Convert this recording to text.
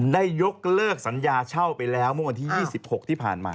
ได้ยกเลิกสัญญาเช่าไปแล้วเมื่อวันที่๒๖ที่ผ่านมา